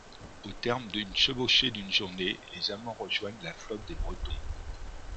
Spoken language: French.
Au terme d’une chevauchée d’une journée, les amants rejoignent la flotte des Bretons.